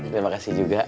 terima kasih juga